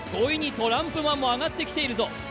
５位にトランプマンも上がってきているぞ。